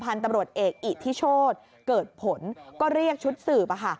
พันธุ์ตำรวจเอกอิทธิโชธเกิดผลก็เรียกชุดสืบ